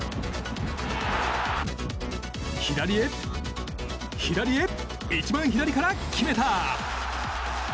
左へ、左へ一番左から決めた。